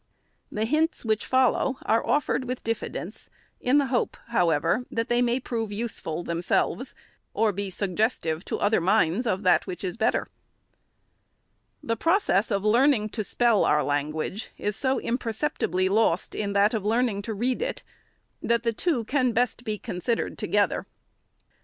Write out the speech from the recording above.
The hints which follow are offered with diffidence ; in the hope, however, that they may prove useful themselves, or be suggestive to other minds of that which is better. The process of learning to spell our language is so im 516 THE SECRETARY'S perceptibly lost in that of learning to read it, that the two can best be considered together.